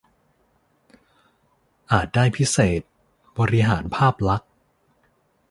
อาจได้พิเศษ บริหารภาพลักษณ์